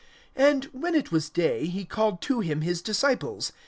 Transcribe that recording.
(13)And when it was day, he called to him his disciples.